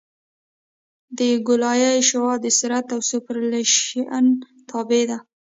د ګولایي شعاع د سرعت او سوپرایلیویشن تابع ده